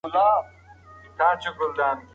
د پوهني په زور انسان خپلي موخې ته رسېدی سي.